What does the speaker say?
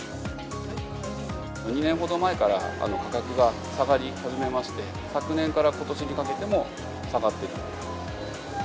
２年ほど前から価格が下がり始めまして、昨年からことしにかけても下がっている。